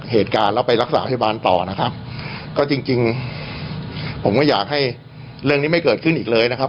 เหตุการณ์แล้วไปรักษาพยาบาลต่อนะครับก็จริงจริงผมก็อยากให้เรื่องนี้ไม่เกิดขึ้นอีกเลยนะครับ